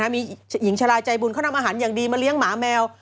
มีหญิงชะลายใจบุญเขานำอาหารอย่างดีมาเลี้ยงหมาแมว